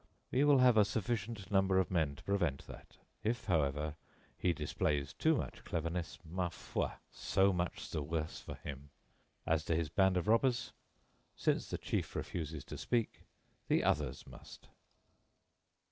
"We will have a sufficient number of men to prevent that. If, however, he displays too much cleverness, ma foi, so much the worse for him! As to his band of robbers, since the chief refuses to speak, the others must."